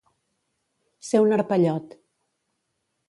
Ser un arpellot.